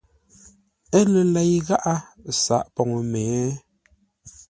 Ə́ lə lei gháʼá sǎʼ pou mě?